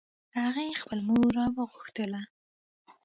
هغې خپل مور راوغوښتله